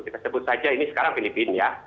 kita sebut saja ini sekarang filipina